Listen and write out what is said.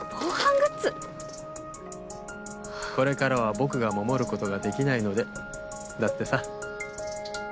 「これからは僕が守ることができないので」だってさ。